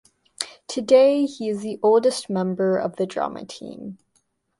Today he is the oldest member of the Drama team.